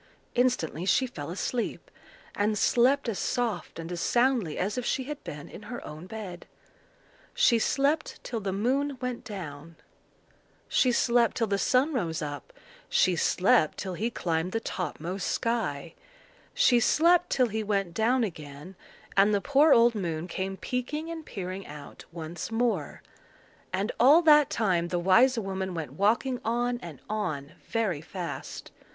Instantly she fell asleep, and slept as soft and as soundly as if she had been in her own bed. She slept till the moon went down; she slept till the sun rose up; she slept till he climbed the topmost sky; she slept till he went down again, and the poor old moon came peaking and peering out once more: and all that time the wise woman went walking on and on very fast.